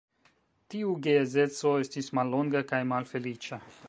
Tiu geedzeco estis mallonga kaj malfeliĉa.